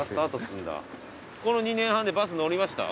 この２年半でバス乗りました？